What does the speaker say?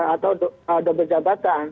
atau dober jabatan